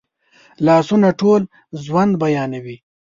لاسونه ټول ژوند بیانوي